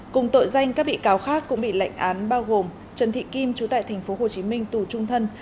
cùng tội danh các bị cáo khác cũng bị lệnh án bao gồm trần thị kim chú tại tp hcm tù trung thân